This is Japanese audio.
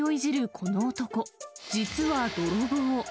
この男、実は泥棒。